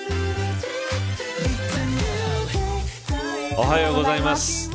おはようございます。